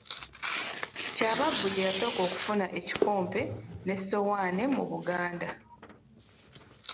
Kyabaggu ye yasooka okufuna ekikompe n'essowaane mu Buganda.